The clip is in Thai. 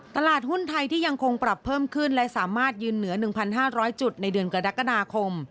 ตลาดหุ้นไทยที่ยังคงปรับเพิ่มขึ้นและสามารถยืนเหนือ๑๕๐๐จุดในเดือนกรกฎาคม